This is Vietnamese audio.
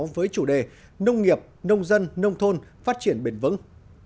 với chủ đề nông nghiệp nông dân nông thôn phát triển bền vững